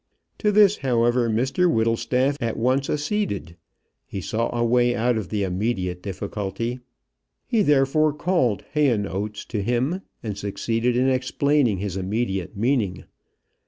To this, however, Mr Whittlestaff at once acceded. He saw a way out of the immediate difficulty. He therefore called Hayonotes to him, and succeeded in explaining his immediate meaning.